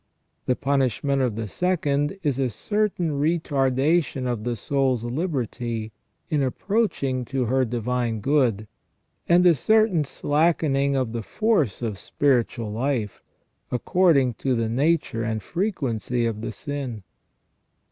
The punishment of the second is a certain retardation of the soul's liberty in approaching to her divine good, and a certain slackening of the force of spiritual life, according to the nature and frequency of the sin.